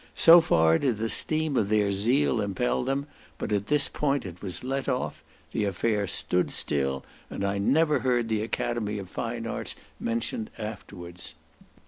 So far did the steam of their zeal impel them, but at this point it was let off; the affair stood still, and I never heard the academy of fine arts mentioned afterwards.